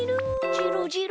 じろじろ。